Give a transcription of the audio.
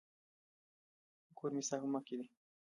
کور مي ستا په مخ کي دی.